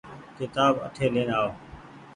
ڪيتآب اٺي لين آئو۔